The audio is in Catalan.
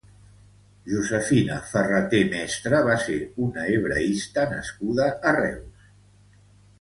Josefina Ferrater Mestre va ser una hebraista nascuda a Reus.